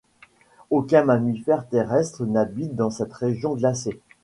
Aucun mammifère terrestre n'habite cette région glacée.